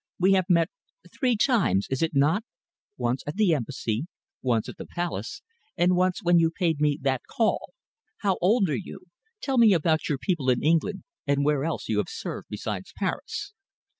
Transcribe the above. We have met three times, is it not once at the Embassy, once at the Palace, and once when you paid me that call. How old are you? Tell me about your people in England, and where else you have served besides Paris?"